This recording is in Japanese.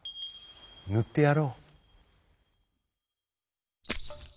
ぬってやろう」。